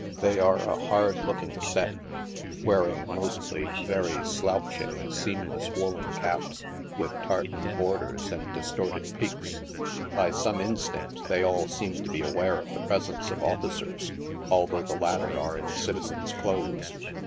They are a hard looking set, wearing, mostly very THE DANCE HOUSES. 31 slouching, seamless woollen caps, with tartan borders and distorted peaks. By some instinct, they all seem to be aware of the presence of officers, although the latter are in citizens' clothes.